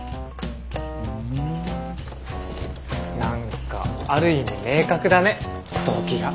ふん何かある意味明確だね動機が。